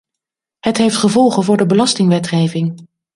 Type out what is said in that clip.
Het heeft gevolgen voor de belastingwetgeving.